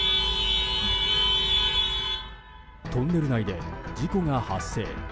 トンネル内で事故が発生。